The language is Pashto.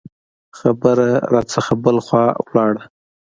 خبره رانه بله خوا لاړه.